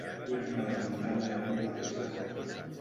L'arma elemental de l'aigua és la copa.